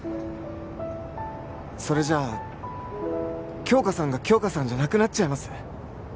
それじゃ杏花さんが杏花さんじゃなくなっちゃいます